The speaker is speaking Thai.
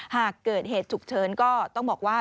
หากเกิดเหตุฉุกเฉินก็ต้องบอกว่า